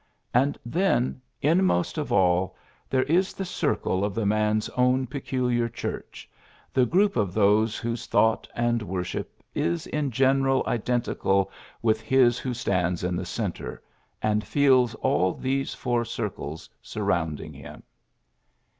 And then, inmost of all, there is the circle of the man's own peculiar Church, the group of those whose thought and worship is in general identical with his who stands in the centre, and feeb all these four circles surrounding him."